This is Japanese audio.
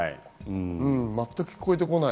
全く聞こえてこない。